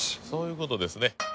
そういう事ですね。